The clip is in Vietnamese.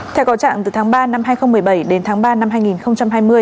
theo cầu trạng từ tháng ba năm hai nghìn một mươi bảy đến tháng ba năm hai nghìn hai mươi